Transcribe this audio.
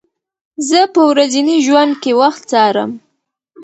زه په ورځني ژوند کې وخت څارم.